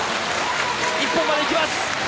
一本までいきます！